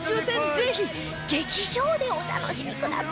ぜひ劇場でお楽しみください